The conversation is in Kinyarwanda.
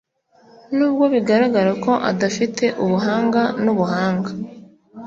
nubwo bigaragara ko adafite ubuhanga nubuhanga,